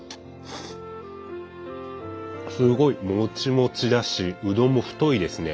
すごいもちもちだしうどんも太いですね。